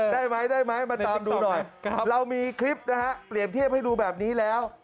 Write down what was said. ได้ไหมได้ไหมมาตามดูหน่อยเรามีคลิปนะฮะเปรียบเทียบให้ดูแบบนี้แล้ว